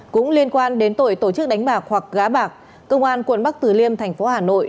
cũng liên quan đến tội tổ chức đánh bạc hoặc gá bạc công an quận bắc từ liêm thành phố hà nội